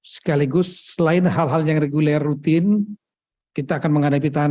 sekaligus selain hal hal yang reguler rutin kita akan menghadapi tantangan